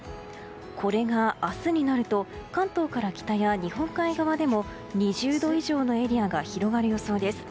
これが、明日になると関東から北や日本海側でも２０度以上のエリアが広がる予想です。